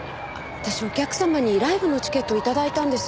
私お客様にライブのチケットを頂いたんです。